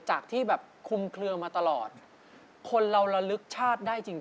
จากที่แบบคุมเคลือมาตลอดคนเราระลึกชาติได้จริง